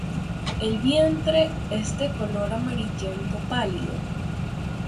El vientre es de color amarillento pálido.